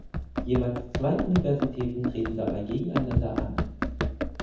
Jeweils zwei Universitäten treten dabei gegeneinander an.